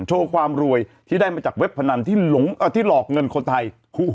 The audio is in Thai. โชว์ความรวยที่ได้มาจากเว็บพนันที่หลอกเงินคนไทย